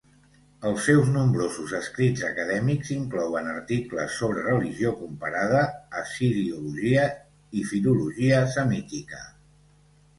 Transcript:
Els seus nombrosos escrits acadèmics inclouen articles sobre religió comparada, assiriologia, i filologia semítica.